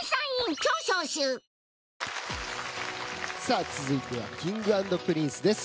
あ続いてはＫｉｎｇ＆Ｐｒｉｎｃｅです。